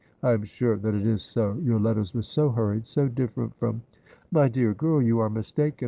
I am sure that it is so. Your letters were so hurried, so different from '' My dear girl, you are mistaken.